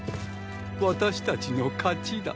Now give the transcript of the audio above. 私たちの勝ちだ。